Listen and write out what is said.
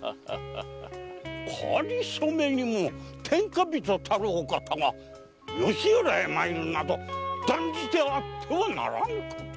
かりそめにも天下人たるお方が吉原へ参るなど断じてあってはならぬこと！